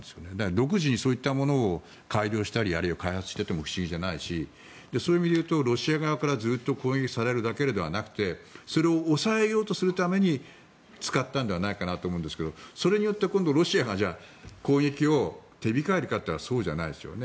独自にそういったものを改良したり開発していても不思議じゃないしそういう意味でいうとロシア側からずっと攻撃されるだけではなくてそれを抑えようとするために使ったのではないかなと思うんですけどそれによって今度ロシアが攻撃を手控えるかといったらそうじゃないですよね。